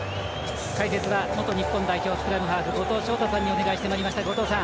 解説は元日本代表スクラムハーフ、後藤翔太さんにお願いしてまいりました。